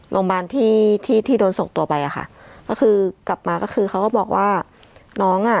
โรงพยาบาลที่ที่โดนส่งตัวไปอ่ะค่ะก็คือกลับมาก็คือเขาก็บอกว่าน้องอ่ะ